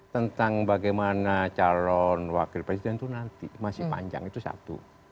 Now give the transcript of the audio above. tentang bagaimana calon wakil presiden itu nanti masih panjang itu satu